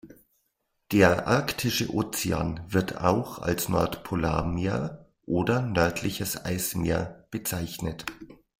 Der Arktische Ozean, wird auch als Nordpolarmeer oder nördliches Eismeer bezeichnet.